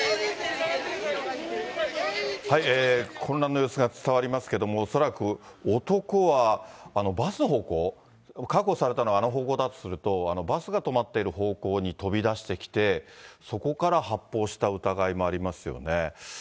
混乱の様子が伝わりますけれども、恐らく男はバスの方向、確保されたのはあの方向だとすると、バスが止まっている方向に飛び出してきて、そこから発砲した疑いもありますよね。